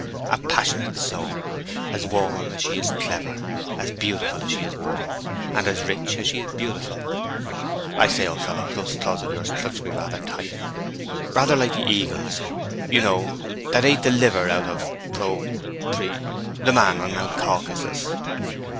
A passionate soul, as warm as she is clever, as beautiful as she is warm, and as rich as she is beautiful. I say, old fellow, those claws of yours clutch me rather tight—rather like the eagle's, you know, that ate out the liver of Pro—Pre—the man on Mount Caucasus.